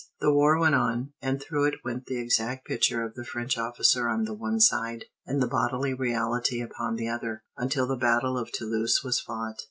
The war went on and through it went the exact picture of the French officer on the one side, and the bodily reality upon the other until the battle of Toulouse was fought.